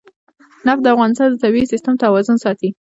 نفت د افغانستان د طبعي سیسټم توازن ساتي.